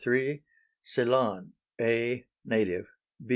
Ceylon. a. Native.